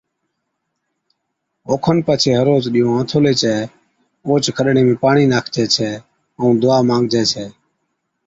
اوکن پڇي ھر روز ڏِيئو آنٿولي چَي اوھچ کڏڙي ۾ پاڻِي ناکجَي ڇَي ائُون دُعا مانگجَي ڇَي